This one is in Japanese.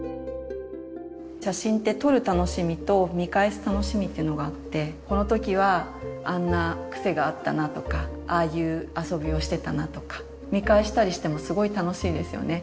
写真って撮る楽しみと見返す楽しみっていうのがあってこの時はあんな癖があったなとかああいう遊びをしてたなとか見返したりしてもすごい楽しいですよね。